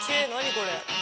これ。